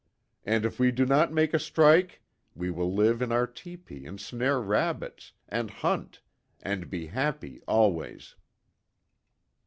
And if we do not make a strike we will live in our tepee and snare rabbits, and hunt, and be happy, always."